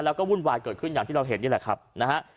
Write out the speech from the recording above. แล้วก็วุ่นวายเกิดขึ้นอย่างที่เราเห็นนี่แหละครับนะฮะ